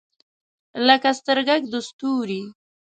لکه سترګګ د ستوری